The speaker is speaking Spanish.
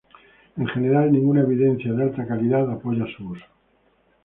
En general, ninguna evidencia de alta calidad apoya su uso.